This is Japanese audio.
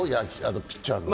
ピッチャーのね。